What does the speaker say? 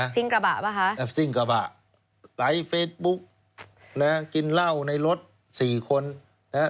สิ้งกระบะป่ะฮะสิ้งกระบะไลร์เฟสบุ๊กนะฮะกินเหล้าในรถ๔คนนะฮะ